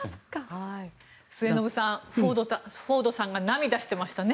末延さん、フォードさんが涙していましたね。